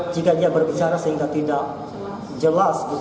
jika dia berbicara sehingga tidak jelas